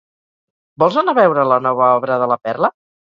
Vols anar a veure la nova obra de La Perla?